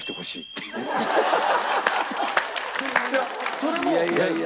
いやいやいやいや。